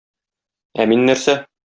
Ә мин нәрсә?